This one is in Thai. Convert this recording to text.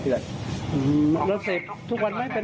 วันไหนวันไหนทีละ